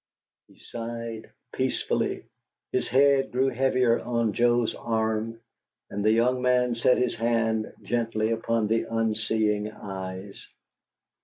He sighed peacefully, his head grew heavier on Joe's arm; and the young man set his hand gently upon the unseeing eyes.